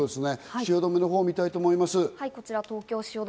汐留のほうを見たいと思います。